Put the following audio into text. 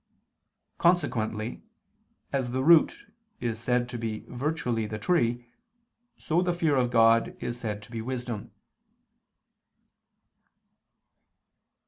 Consequently, as the root is said to be virtually the tree, so the fear of God is said to be wisdom.